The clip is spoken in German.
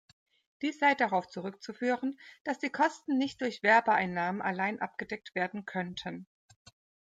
Dies sei darauf zurückzuführen, dass die Kosten nicht durch Werbeeinnahmen alleine abgedeckt werden könnten.